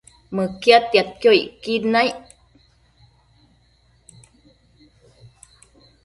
Mëquiadtiadquio icquid naic